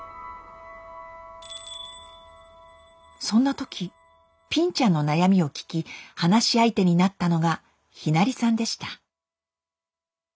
そんな時ぴんちゃんの悩みを聞き話し相手になったのがひなりさんでした。